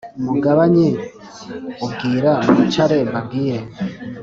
mugabanye ubwira mwicare mbabwire